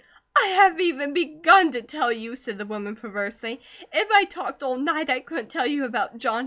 "I haven't even BEGUN to tell you," said the woman perversely. "If I talked all night I couldn't tell you about John.